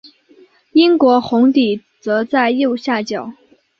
英国红底则在右下角。